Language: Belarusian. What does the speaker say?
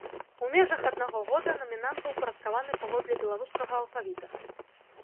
У межах аднаго года намінанты ўпарадкаваны паводле беларускага алфавіта.